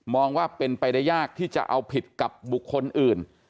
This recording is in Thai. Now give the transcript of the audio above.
ว่าเป็นไปได้ยากที่จะเอาผิดกับบุคคลอื่น